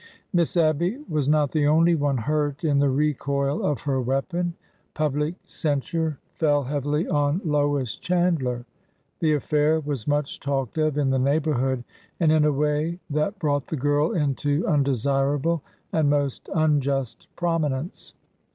Miss Abby was not the only one hurt in the recoil of her weapon. Public censure fell heavily on Lois Chandler. The affair was much talked of in the neighborhood, and in a way that brought the girl into undesirable and most unjust prominence.